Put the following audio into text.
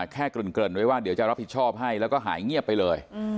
เกริ่นไว้ว่าเดี๋ยวจะรับผิดชอบให้แล้วก็หายเงียบไปเลย